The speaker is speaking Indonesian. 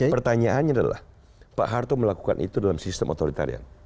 pertanyaannya adalah pak harto melakukan itu dalam sistem otoritarian